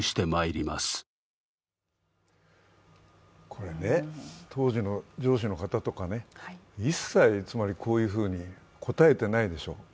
これね、当時の上司の方とか一切こういうふうに答えていないでしょう。